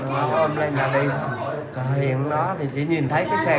rồi hiện đó thì chỉ nhìn thấy cái xe lọc chổng bánh lên trời cái đầu xe băng trang thì dẹp mẹp dí